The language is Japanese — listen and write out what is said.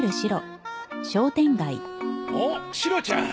おっシロちゃん！